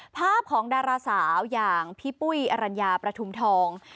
ภาพของดาราสาวอย่างพี่ปุ้ยอรัญญาประทุมทอง